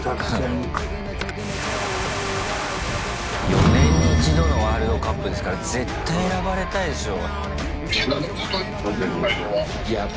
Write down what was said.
４年に一度のワールドカップですから絶対選ばれたいでしょう。